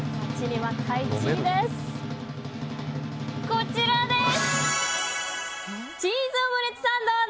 こちらです！